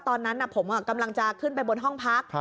ตอนนั้นผมกำลังจะขึ้นไปบนห้องพัก